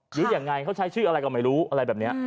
หรือยังไงเขาใช้ชื่ออะไรก็ไม่รู้อะไรแบบนี้